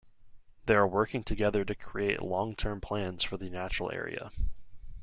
They are working together to create long-term plans for the natural area.